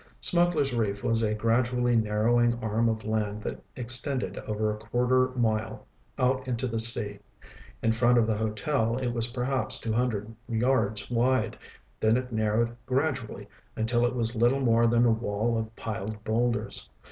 Smugglers' Reef was a gradually narrowing arm of land that extended over a quarter mile out into the sea. In front of the hotel it was perhaps two hundred yards wide. Then it narrowed gradually until it was little more than a wall of piled boulders.